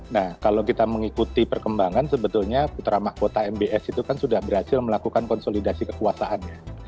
nah kalau kita mengikuti perkembangan sebetulnya putra mahkota mbs itu kan sudah berhasil melakukan konsolidasi kekuasaan ya